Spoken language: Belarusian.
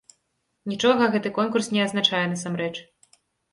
Нічога гэты конкурс не азначае, насамрэч.